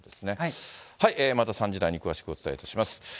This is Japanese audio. また３時台に詳しくお伝えいたします。